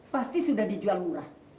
pasti sudah dijual murah